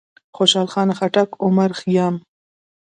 خوشحال خان خټک، عمر خيام،